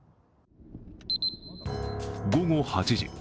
午後８時。